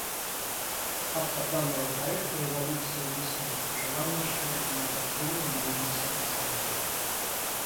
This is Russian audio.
Автор данного проекта резолюции высказал пожелание, чтобы Комитет принял его без голосования.